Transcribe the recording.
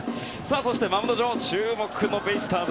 マウンド上には注目のベイスターズ